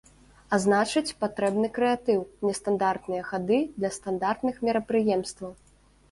А значыць, патрэбны крэатыў, нестандартныя хады для стандартных мерапрыемстваў.